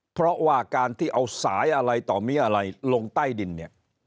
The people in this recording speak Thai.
เพราะว่าการที่เอาสายอะไรต่อมีอะไรลงใต้ดินเนี่ย